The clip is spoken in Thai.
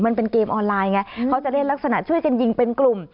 มันเป็นเกมออนไลน์ไงเขาจะเล่นลักษณะช่วยกันยิงเป็นกลุ่ม